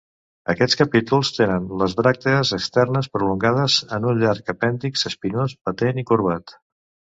Aquests capítols tenen les bràctees externes prolongades en un llarg apèndix espinós, patent i corbat.